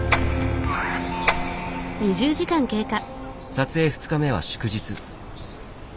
撮影２日目は祝日。